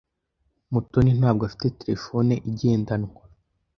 Mutoni ntabwo afite terefone igendanwa.